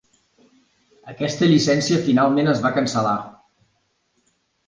Aquesta llicència finalment es va cancel·lar.